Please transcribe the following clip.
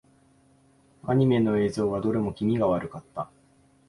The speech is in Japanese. アニメの映像はどれも気味が悪かった。